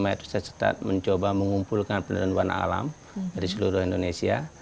dua ribu lima itu saya mencoba mengumpulkan penenuan alam dari seluruh indonesia